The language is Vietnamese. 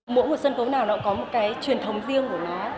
mỗi một sân khấu nào nó có một cái truyền thống riêng của nó